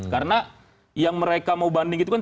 karena yang mereka mau banding itu kan